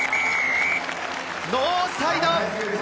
ノーサイド！